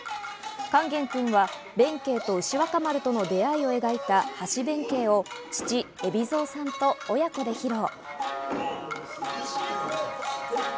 勸玄くんは弁慶と牛若丸との出会いを描いた『橋弁慶』を父・海老蔵さんと親子で披露。